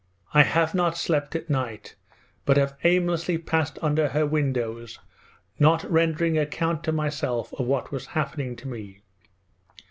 I have not slept at night, but have aimlessly passed under her windows not rendering account to myself of what was happening to me.